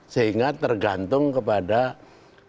sehingga tergantung kepada siapa yang membawa komoditas politik